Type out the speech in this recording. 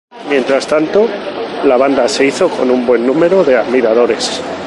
Mientras tanto, la banda se hizo con un buen número de admiradores.